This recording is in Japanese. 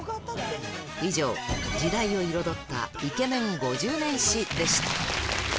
以上、時代を彩ったイケメン５０年史でした。